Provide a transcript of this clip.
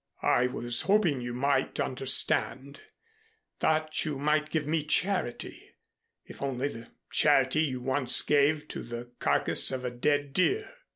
"I was hoping you might understand, that you might give me charity if only the charity you once gave to the carcass of a dead deer."